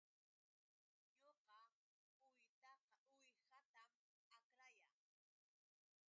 Ñuqa uwihatam akrayaa